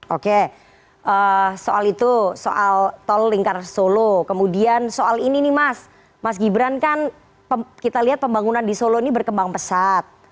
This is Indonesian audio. oke soal itu soal tol lingkar solo kemudian soal ini nih mas mas gibran kan kita lihat pembangunan di solo ini berkembang pesat